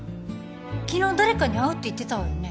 昨日誰かに会うって言ってたわよね？